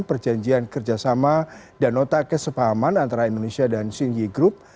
perjanjian kerjasama dan nota kesepahaman antara indonesia dan xinyi group